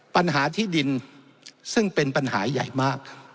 ปัญหาที่ดินซึ่งเป็นปัญหาใหญ่มาก